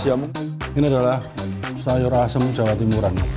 ini adalah sayur asem jawa timuran